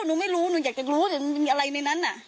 หนูไม่รู้หนูอยากจะรู้ว่ามันมีอะไรในนั้น